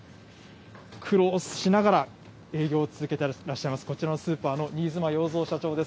苦労しながら営業を続けていらっしゃいます、こちらのスーパーの新妻洋三社長です。